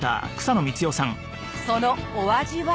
そのお味は。